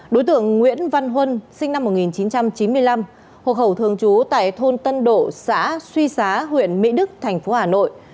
đối tượng nguyễn văn huân sinh năm một nghìn chín trăm chín mươi năm hộ khẩu thường trú tại thôn tân độ xã suy xá huyện mỹ đức thành phố hà nội